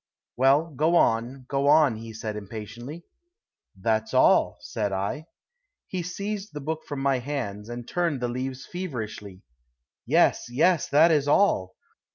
"Well, go on; go on," he said impatiently. "That's all," said I. He seized the book from my hands, and turned the leaves feverishly. "Yes, yes. That is all.